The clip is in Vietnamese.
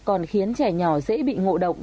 còn khiến trẻ nhỏ dễ bị ngộ động